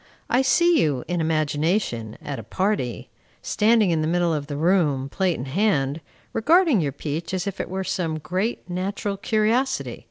I see you, in imagination, at a party, standing in the middle of the room, plate in hand, regarding your peach as if it were some great natural curiosity.